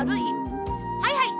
はいはい。